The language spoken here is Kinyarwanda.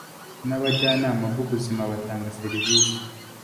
n abajyanama b ubuzima batanga serivisi